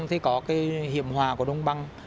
thì có cái hiểm hòa của đông băng